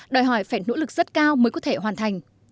đòi hỏi phải nỗ lực rất cao mới có thể hoàn thành